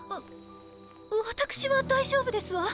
わ私は大丈夫ですわ。